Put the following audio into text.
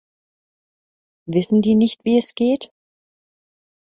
Wissen die nicht, wie es geht?